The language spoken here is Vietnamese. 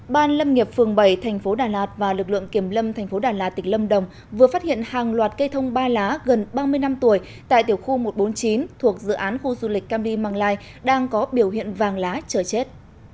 ban lâm nghiệp phường bảy tp đà lạt và lực lượng kiểm lâm tp đà lạt tỉnh lâm đồng vừa phát hiện hàng loạt cây thông ba lá gần ba mươi năm tuổi tại tiểu khu một trăm bốn mươi chín thuộc dự án khu du lịch cam ly mang lai đang có biểu hiện vàng lá trở chết